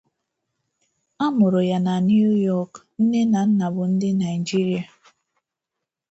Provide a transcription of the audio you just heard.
A mụrụ ya na New York, nne na nna bu ndi Naijiria.